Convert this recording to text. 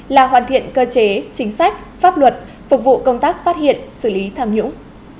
là hoàn thiện cơ chế chính sách pháp luật phục vụ công tác phát hiện xử lý tham nhũng